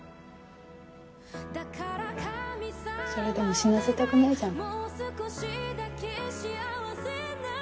それでも死なせたくないじゃん。